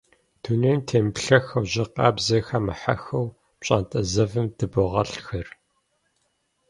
Дунейм темыплъэхэу, жьы къабзэ хэмыхьэххэу пщӀантӀэ зэвым дыбогъэлӀыххэр.